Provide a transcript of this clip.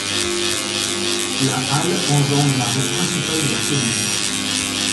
La halle enjambe la rue principale de la commune.